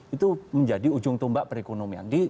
itu menjadi ujung tombak perekonomian